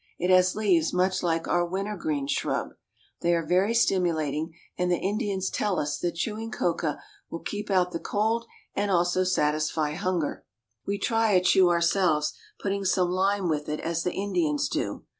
It has leaves much like our winter green shrub. They are very stimulating, and the Indians tell us that chewing coca will keep out the cold and also satisfy hunger. We try a chew ourselves, putting some lime with it as the Indians do.